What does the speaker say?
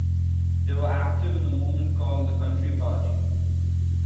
They were active in the movement called the Country Party.